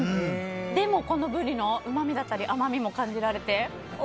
でも、このブリのうまみだったり甘みも感じられて。